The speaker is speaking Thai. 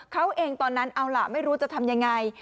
เขาเองตอนนั้นเอาล่ะไม่รู้จะทำยังไง